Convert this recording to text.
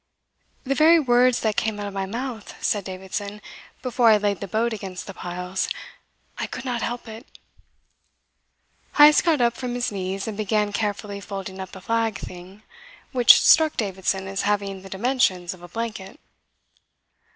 "The very words that came out of my mouth," said Davidson, "before I laid the boat against the piles. I could not help it!" Heyst got up from his knees and began carefully folding up the flag thing, which struck Davidson as having the dimensions of a blanket.